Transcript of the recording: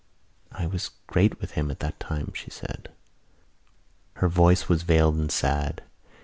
"I was great with him at that time," she said. Her voice was veiled and sad.